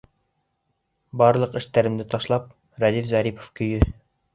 Барлыҡ эштәремде ташлап, Рәдиф Зарипов көйө.